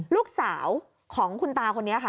ลูกสาวของคุณตาคนนี้ค่ะ